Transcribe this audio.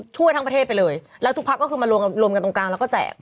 ช่วยทั้งประเทศไปเลยแล้วทุกพักก็คือมารวมกันตรงกลางแล้วก็แจก